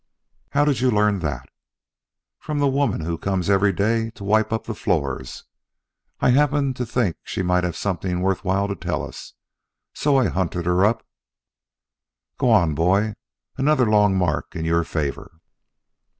"How did you learn that?" "From the woman who comes every day to wipe up the floors. I happened to think she might have something worth while to tell us, so I hunted her up " "Go on, boy. Another long mark in your favor."